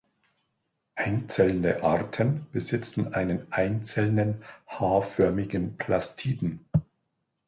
Einzelne Arten besitzen einen einzelnen H-förmigen Plastiden.